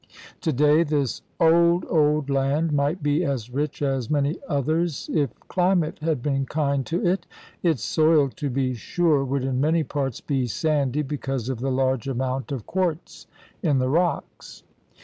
Today this old, old land might be as rich as many others if climate had been kind to it. Its soil, to be sure, would in many parts be sandy because of the large amount of quartz in the rocks.